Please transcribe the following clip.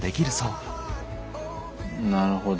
なるほど。